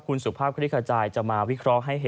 คุณสุภาพค